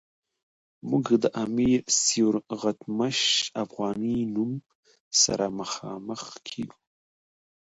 موږ د امیر سیورغتمش افغانی نوم سره مخامخ کیږو.